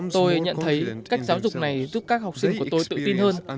tôi nhận thấy cách giáo dục này giúp các học sinh của tôi tự tin hơn